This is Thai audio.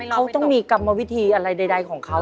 เขาต้องมีกรรมวิธีอะไรใดของเขา